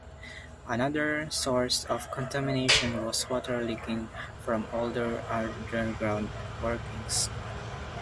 Another source of contamination was water leaking from older underground workings.